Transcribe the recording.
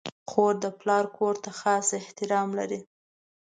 خور د پلار کور ته خاص احترام لري.